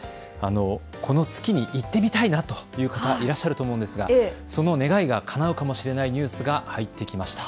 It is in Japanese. この月に行ってみたいなという方いらっしゃると思いますがその願いがかなうかもしれないニュースが入ってきました。